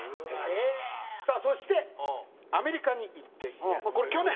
さあそしてアメリカに行ってこれ去年。